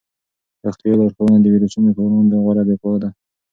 روغتیايي لارښوونې د ویروسونو په وړاندې غوره دفاع ده.